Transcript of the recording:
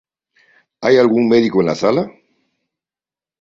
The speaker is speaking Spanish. ¿hay algún médico en la sala?